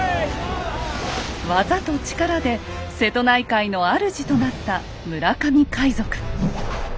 技と力で瀬戸内海の主となった村上海賊。